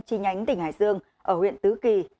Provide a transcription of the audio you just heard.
chi nhánh tỉnh hải dương ở huyện tứ kỳ